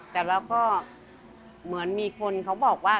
แต่เราก็เหมือนมีคนเขาบอกว่า